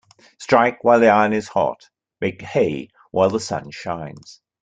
Strike while the iron is hot Make hay while the sun shines.